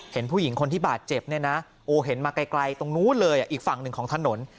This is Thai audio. เห็นผู้หญิงคนที่บาดเจ็บเนี่ยนะโอ้เห็นมาไกลตรงนู้นเลยอีกฝั่งหนึ่งของถนน